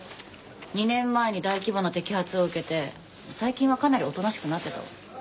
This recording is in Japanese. ２年前に大規模な摘発を受けて最近はかなりおとなしくなってたわ。